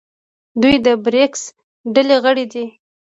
دوی د بریکس ډلې غړي دي.